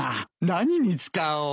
何に使おう。